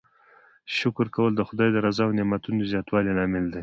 شکر کول د خدای د رضا او نعمتونو د زیاتوالي لامل دی.